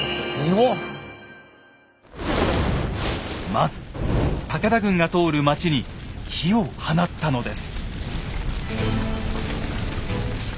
まず武田軍が通る町に火を放ったのです。